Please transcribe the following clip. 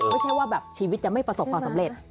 ไม่ใช่ว่าแบบชีวิตจะไม่ประสบความสำเร็จ